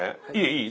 いい？